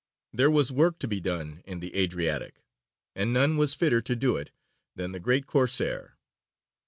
There was work to be done in the Adriatic, and none was fitter to do it than the great Corsair.